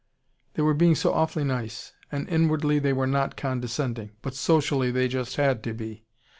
They were being so awfully nice. And inwardly they were not condescending. But socially, they just had to be.